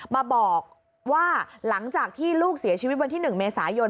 มาบอกว่าหลังจากที่ลูกเสียชีวิตวันที่๑เมษายน